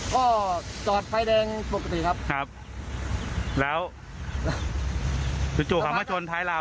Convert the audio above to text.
ก็จอดไฟแดงปกติครับครับแล้วจู่จู่เขามาชนท้ายเรา